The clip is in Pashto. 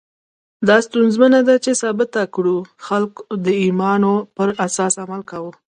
دا ستونزمنه ده چې ثابته کړو خلکو د ایمان پر اساس عمل کاوه.